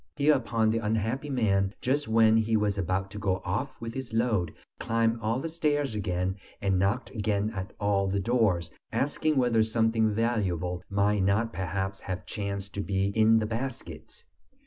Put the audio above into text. Hereupon the unhappy man, just when he was about to go off with his load, climbed all the stairs again, and knocked again at all the doors, asking whether something valuable might not perhaps have chanced to be in the baskets.